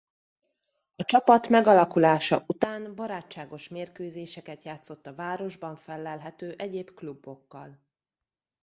A csapat megalakulása után barátságos mérkőzéseket játszott a városban fellelhető egyéb klubokkal.